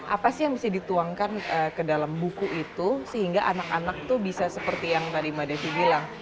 apa sih yang bisa dituangkan ke dalam buku itu sehingga anak anak tuh bisa seperti yang tadi mbak desy bilang